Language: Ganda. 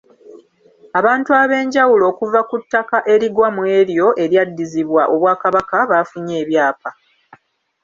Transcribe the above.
Abantu ab’enjawulo okuva ku ttaka erigwa mu eryo eryaddizibwa Obwakabaka baafunye ebyapa.